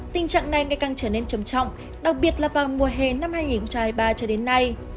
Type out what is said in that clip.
tình trạng này ngày càng trở nên trầm trọng đặc biệt là vào mùa hè năm hai nghìn hai mươi ba cho đến nay